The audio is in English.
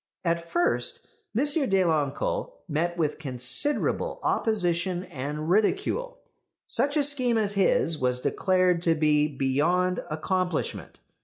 At first M. Deloncle met with considerable opposition and ridicule. Such a scheme as his was declared to be beyond accomplishment.